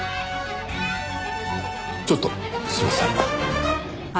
ちょっとすいません。